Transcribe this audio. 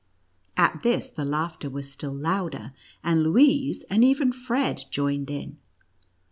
At this the laughter was still louder, and Louise, and even Fred, joined in.